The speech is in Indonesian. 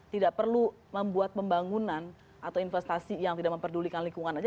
tidak perlu membuat pembangunan atau investasi yang tidak memperdulikan lingkungan saja